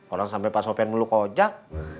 orang sampai pak sopyan meluk ojak